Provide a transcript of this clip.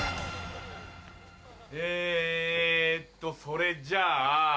えっとそれじゃあ。